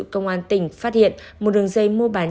công an tỉnh phát hiện